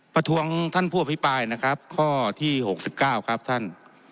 ประท้วงท่านผู้อภิปรายนะครับข้อที่๖๙ครับท่าน